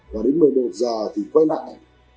và đến một mươi một giờ thì quay lại